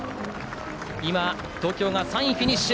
東京が３位フィニッシュ。